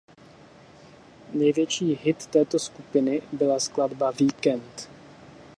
Největší hit této skupiny byla skladba „Weekend“.